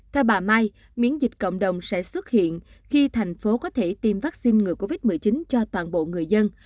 theo bà mai miễn dịch cộng đồng sẽ xuất hiện khi thành phố có thể tiêm vaccine ngừa covid một mươi chín cho toàn bộ người dân